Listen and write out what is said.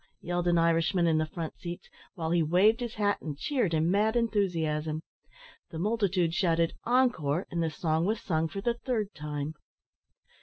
yelled an Irishman in the front seats, while he waved his hat, and cheered in mad enthusiasm. The multitude shouted, "Encore!" and the song was sung for the third time.